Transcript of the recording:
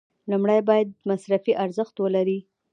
لومړی باید مصرفي ارزښت ولري.